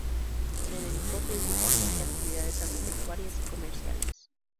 Se dedicó principalmente a actividades agropecuarias y comerciales.